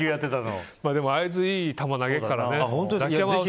あいつ、いい球投げるからね。